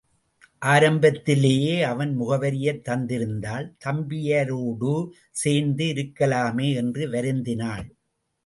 ஆரம்பத்திலேயே அவன் முகவரியைத் தந்திருந்தால் தம்பியரோடு சேர்த்து இருக்கலாமே என்று வருந்தினாள்.